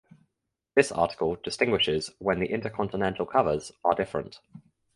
This article distinguishes when the intercontinental covers are different.